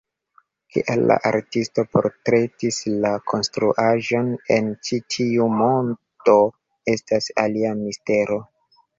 Kial la artisto portretis la konstruaĵon en ĉi tiu modo estas alia mistero.